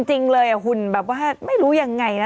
จริงเลยหุ่นแบบว่าไม่รู้ยังไงนะ